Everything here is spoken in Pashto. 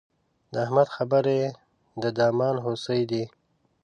د احمد خبرې د دامان هوسۍ دي.